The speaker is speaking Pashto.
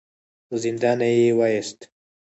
له زندانه يې وايست.